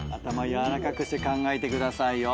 柔らかくして考えてくださいよ。